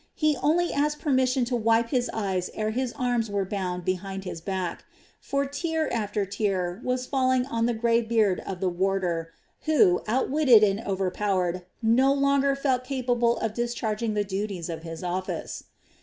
He only asked permission to wipe his eyes ere his arms were bound behind his back; for tear after tear was falling on the grey beard of the warder who, outwitted and overpowered, no longer felt capable of discharging the duties of his office.